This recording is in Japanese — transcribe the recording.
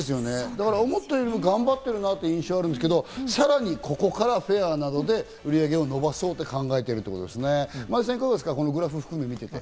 だから思ったよりも頑張ってるなという印象があるんですけど、さらにここからフェアなどで売上を伸ばそうと考えているということですね、前田さん。